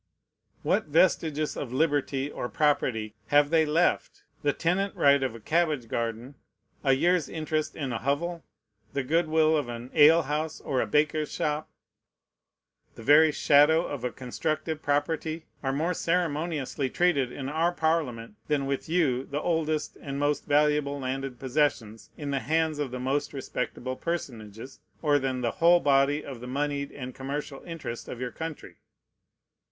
What vestiges of liberty or property have they left? The tenant right of a cabbage garden, a year's interest in a hovel, the good will of an ale house or a baker's shop, the very shadow of a constructive property, are more ceremoniously treated in our Parliament than with you the oldest and most valuable landed possessions, in the hands of the most respectable personages, or than the whole body of the moneyed and commercial interest of your country.